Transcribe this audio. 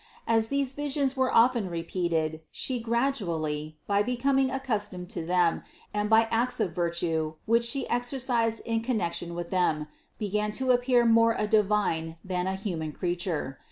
As these vis ions were often repeated She gradually, by becoming accustomed to them and by acts of virtue which She ex ercised in connection with them, began to appear more a divine than a human creature.